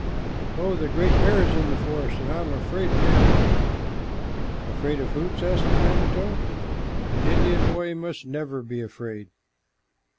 "Oh, the great bear is in the forest, and I am afraid of him!" "Afraid of Hoots?" asked the manito. "An Indian boy must never be afraid."